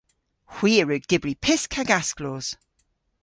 Hwi a wrug dybri pysk hag asklos.